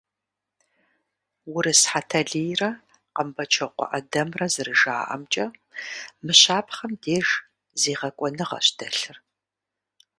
Урыс Хьэтэлийрэ Къэмбэчокъуэ ӏэдэмрэ зэрыжаӏэмкӏэ, мы щапхъэм деж зегъэкӏуэныгъэщ дэлъыр.